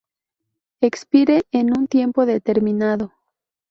expire en un tiempo determinado